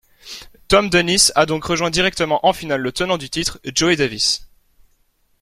Tom Dennis a donc rejoint directement en finale le tenant du titre, Joe Davis.